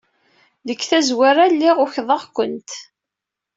Deg tazwara, lliɣ ukḍeɣ-kent.